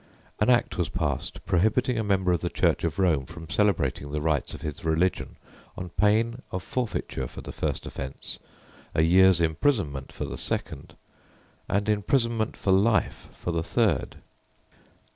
An Act was passed prohibiting a member of the Church of Rome from celebrating the rites of his religion on pain of forfeiture for the first offence, a year's imprisonment for the second, and imprisonment for life for the third.